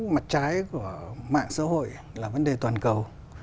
mặt trái của mạng xã hội là vấn đề toàn cầu